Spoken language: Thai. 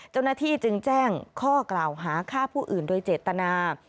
เจ้าหน้าที่จึงแจ้งข้อกล่าวหาฆ่าผู้อื่นโดยเจตนา